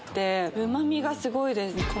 うま味がすごいです。